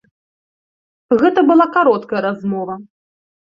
Гэта была кароткая размова.